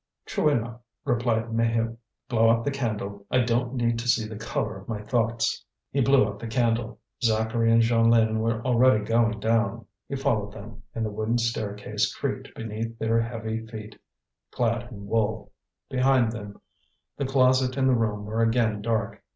"True enough," replied Maheude. "Blow out the candle: I don't need to see the colour of my thoughts." He blew out the candle. Zacharie and Jeanlin were already going down; he followed them, and the wooden staircase creaked beneath their heavy feet, clad in wool. Behind them the closet and the room were again dark.